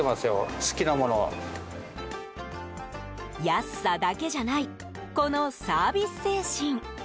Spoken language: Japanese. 安さだけじゃないこのサービス精神。